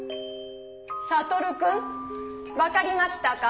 サトルくん分かりましたか？